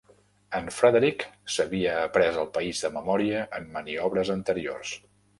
En Frederick s'havia après el país de memòria en maniobres anteriors.